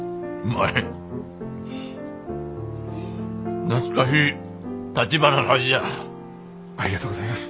ありがとうございます。